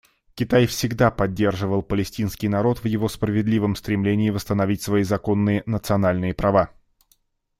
Китай всегда поддерживал палестинский народ в его справедливом стремлении восстановить свои законные национальные права.